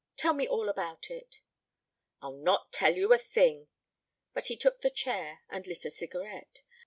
Tell me all about it." "I'll not tell you a thing." But he took the chair and lit a cigarette.